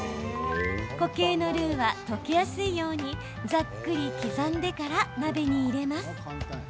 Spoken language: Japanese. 固形のルーは溶けやすいようにざっくり刻んでから鍋に入れます。